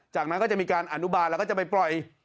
จากนั้นก็จะมีการอนุบาลแล้วก็จะไปปล่อย